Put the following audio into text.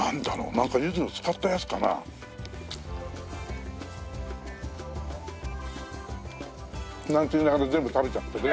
なんか柚子を使ったやつかな？なんて言いながら全部食べちゃってね。